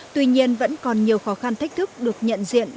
tuy nhiên vẫn còn nhiều khó khăn thách thức được nhận diện